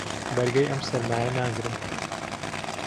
بەرگەی ئەم سەرمایە ناگرم.